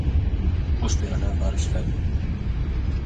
اُس دھیاڑے بارش لگ گئی